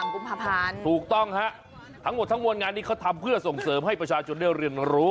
กุมภาพันธ์ถูกต้องฮะทั้งหมดทั้งมวลงานนี้เขาทำเพื่อส่งเสริมให้ประชาชนได้เรียนรู้